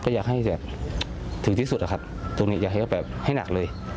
อยากให้เขาแบบให้หนักเลย